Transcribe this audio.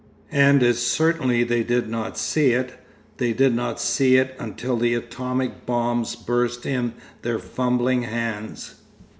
And as certainly they did not see it. They did not see it until the atomic bombs burst in their fumbling hands.